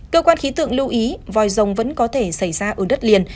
cơ quan khí tượng lưu ý vòi rồng vẫn có thể xảy ra ở đất liền